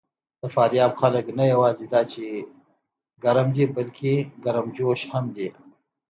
د فاریاب خلک نه یواځې دا چې ګرم دي، بلکې ګرمجوش هم دي.